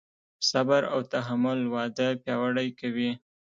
صبر او تحمل واده پیاوړی کوي.